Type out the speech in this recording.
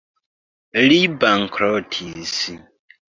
Li bankrotis.